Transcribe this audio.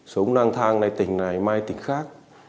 sống năng thang này tỉnh này mai tỉnh khác